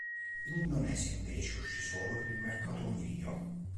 In Indonesia, invece, uscì solo per il mercato Home video.